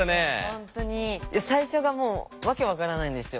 本当に最初がもう訳分からないんですよ。